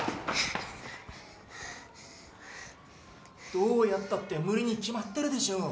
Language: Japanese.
どうやったって無理に決まってるでしょう